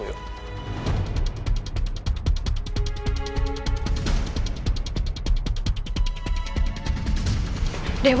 maksudnya dia ada di dalam